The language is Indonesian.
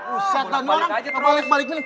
udah balik balik milih